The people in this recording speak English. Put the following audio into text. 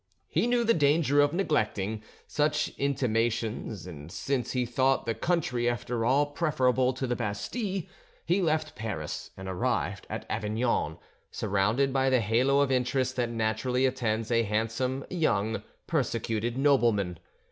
He knew the danger of neglecting—such intimations, and since he thought the country after all preferable to the Bastille, he left Paris, and arrived at Avignon, surrounded by the halo of interest that naturally attends a handsome young persecuted nobleman.